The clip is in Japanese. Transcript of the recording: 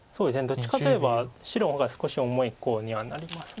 どっちかといえば白の方が少し重いコウにはなります。